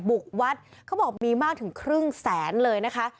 บุกวัดเขาบอกมีมากถึงครึ่งแสนเลยนะคะ